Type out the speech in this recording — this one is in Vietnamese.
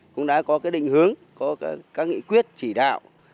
cũng đã có định hướng có các nghị quyết chỉ đạo